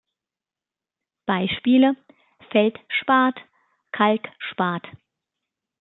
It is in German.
Beispiele: Feldspat, Kalkspat.